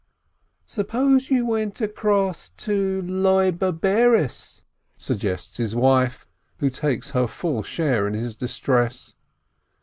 "Suppose you went across to Loibe Bares?" suggests his wife, who takes her full share in his distress.